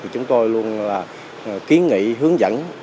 chúng tôi luôn kiến nghị hướng dẫn